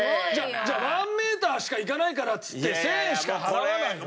じゃあワンメーターしか行かないからっつって１０００円しか払わないの？